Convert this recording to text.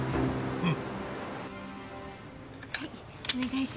うん？